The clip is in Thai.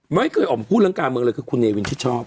ไม่เคยออกมาพูดเรื่องการเมืองเลยคือคุณเนวินชิดชอบ